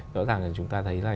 rõ ràng là chúng ta thấy là